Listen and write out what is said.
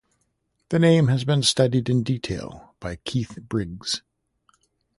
The name has been studied in detail by Keith Briggs.